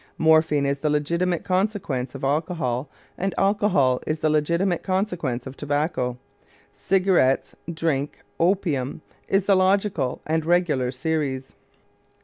Morphine is the legitimate consequence of alcohol, and alcohol is the legitimate consequence of tobacco. Cigarettes, drink, opium, is the logical and regular series.